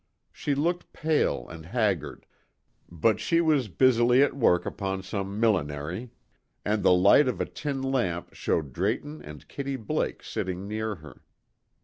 She looked pale and haggard; but she was busily at work upon some millinery, and the light of a tin lamp showed Drayton and Kitty Blake sitting near her.